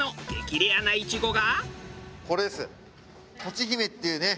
レアなイチゴが。